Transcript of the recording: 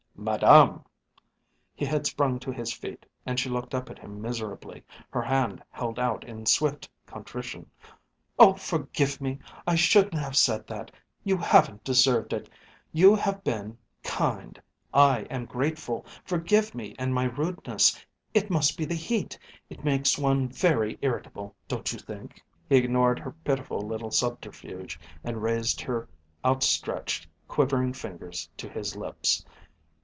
"Madame!" He had sprung to his feet, and she looked up at him miserably, her hand held out in swift contrition. "Oh, forgive me! I shouldn't have said that. You haven't deserved it. You have been kind. I am grateful. Forgive me and my rudeness. It must be the heat, it makes one very irritable, don't you think?" He ignored her pitiful little subterfuge and raised her outstretched, quivering fingers to his lips.